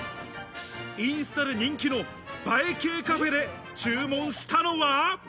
インスタで人気の映え系カフェで注文したのは。